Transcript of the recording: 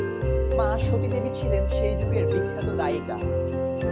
মা সতী দেবী ছিলেন সেই যুগের বিখ্যাত গায়িকা।